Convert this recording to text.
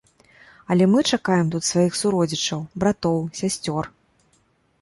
Але мы чакаем тут сваіх суродзічаў, братоў, сясцёр.